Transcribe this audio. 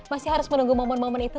masih harus menunggu momen momen itu